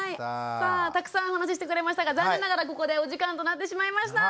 さあたくさんお話ししてくれましたが残念ながらここでお時間となってしまいました。